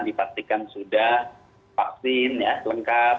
dipastikan sudah vaksin ya lengkap